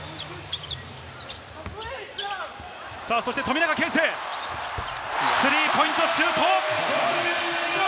富永啓生、スリーポイントシュート！